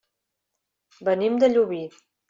Venim de Llubí.